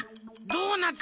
ドーナツ。